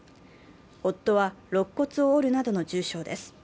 夫はろっ骨を折るなどの重傷です。